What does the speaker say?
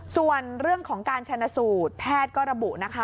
ส่วนเรื่องของการชนะสูตรแพทย์ก็ระบุนะคะ